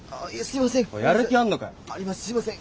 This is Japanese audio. すいません！